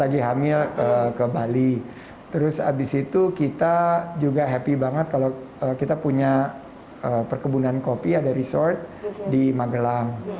lagi hamil ke bali terus abis itu kita juga happy banget kalau kita punya perkebunan kopi ada resort di magelang